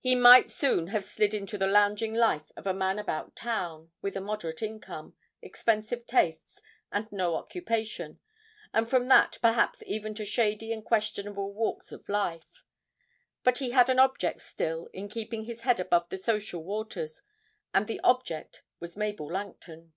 He might soon have slid into the lounging life of a man about town, with a moderate income, expensive tastes, and no occupation, and from that perhaps even to shady and questionable walks of life. But he had an object still in keeping his head above the social waters, and the object was Mabel Langton.